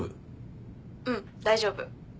うん大丈夫。